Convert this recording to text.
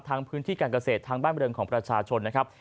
พื้นที่การเกษตรทางบ้านบริเวณของประชาชนนะครับ